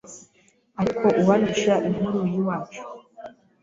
Ariko uwandusha inkuru y'iwacu